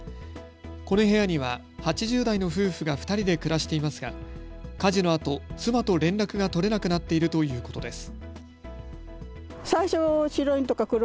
この部屋には８０代の夫婦が２人で暮らしていますが火事のあと妻と連絡が取れなくなっているということです。